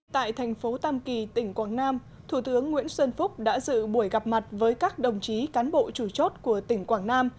tại thành phố tam kỳ tỉnh quảng nam thủ tướng nguyễn xuân phúc đã dự buổi gặp mặt với các đồng chí cán bộ chủ chốt của tỉnh quảng nam